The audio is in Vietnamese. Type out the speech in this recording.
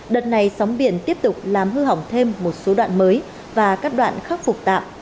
đợt này sóng biển tiếp tục làm hư hỏng thêm một số đoạn mới và các đoạn khắc phục tạm